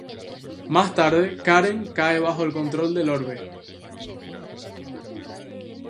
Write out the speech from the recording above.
Más tarde, Karen cae bajo el control del Orbe.